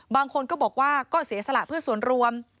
บางคนก็บอกว่าก็เสียสละเพื่อส่วนรวม